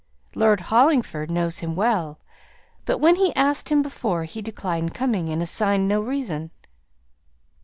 Lord Hollingford knows him well; but when we asked him before, he declined coming, and assigned no reason."